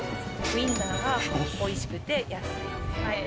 ウインナーが美味しくて安い。